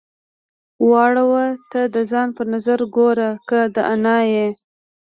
واړو ته د ځان په نظر ګوره که دانا يې.